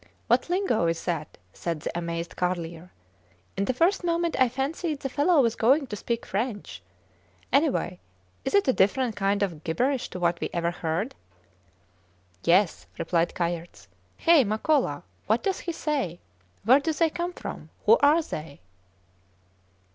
What lingo is that? said the amazed Carlier. In the first moment I fancied the fellow was going to speak French. Anyway, it is a different kind of gibberish to what we ever heard. Yes, replied Kayerts. Hey, Makola, what does he say? Where do they come from? Who are they?